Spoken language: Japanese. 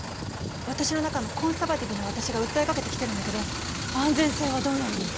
私の中のコンサバティブな私が訴えかけてきてるんだけど安全性はどうなのよ。